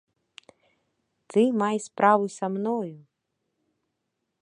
Ты май справу са мною.